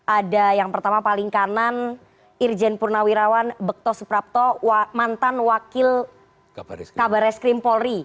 ada yang pertama paling kanan irjen purnawirawan bekto suprapto mantan wakil kabar reskrim polri